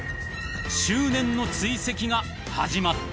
［執念の追跡が始まった］